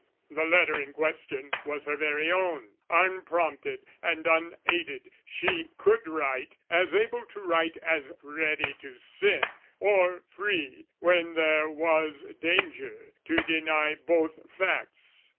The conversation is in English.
The letter in question was her very own, Unprompted and unaided: she could write As able to write as ready to sin, or free, When there was danger, to deny both facts.